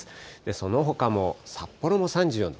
そのほかも、札幌も３４度。